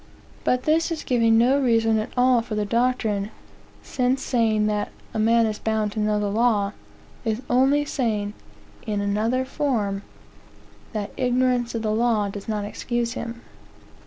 But this is giving no reason at all for the doctrine, since saying that a man "is bound to know the law," is only saying, in another form, that "ignorance of the law does not excuse him."